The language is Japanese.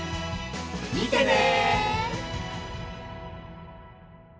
見てね！